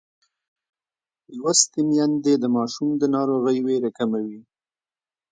لوستې میندې د ماشوم د ناروغۍ وېره کموي.